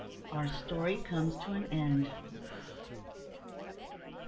OUR STORY COMES TO AN END.